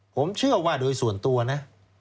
ผมเชื่อว่าโดยส่วนตัวนะ